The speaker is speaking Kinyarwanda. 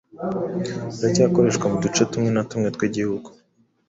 biracyakoreshwa mu duce tumwe tw’igihugu.